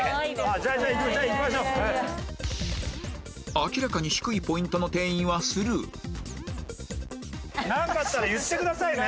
明らかに低いポイントの店員はスルーなんかあったら言ってくださいね。